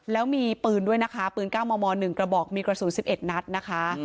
แล้วมีปืนด้วยนะคะปืน๙มม๑กระบอกมีกระสุน๑๑นัดนะคะ